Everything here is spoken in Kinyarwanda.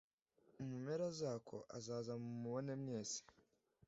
Mu mpera zako azaza mumubone mwese